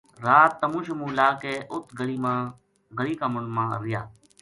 رات تمو شمو لا کے اُت گلی کا مُنڈھ ما رہیا